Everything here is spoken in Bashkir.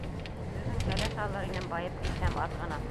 Бөгөн кәләш алыр инем Байып китһәм аҙ ғына.